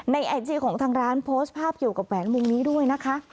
ไอจีของทางร้านโพสต์ภาพเกี่ยวกับแหวนมุมนี้ด้วยนะคะ